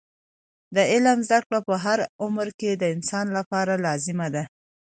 د علم زده کړه په هر عمر کې د انسان لپاره لازمه ده.